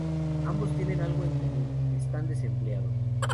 Ambos tienen algo en común: están desempleados.